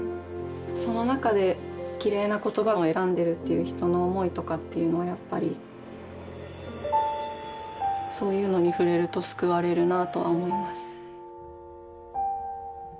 その中できれいな言葉を選んでるっていう人の思いとかっていうのはやっぱりそういうのに触れると救われるなとは思います。